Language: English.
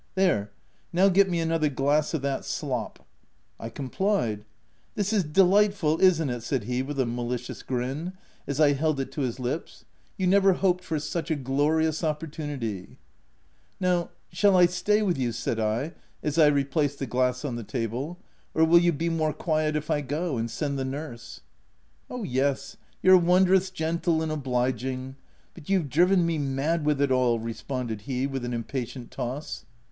" There— • now, get me another glass of that slop." I complied, " This is delightful I isn't it?" said he with a malicious grin, as I held it to his OF WILDFELL HALT.. 20/ lips — "you never hoped for such a glorious opportunity ?"" Now, shall I stay with you?" said I, as I replaced the glass on the table —" or will you be more quiet if I go, and send the nurse ?" M Oh, yes, you're wondrous gentle and oblig ing !— But you've driven me mad with it all !" responded he, with an impatient toss.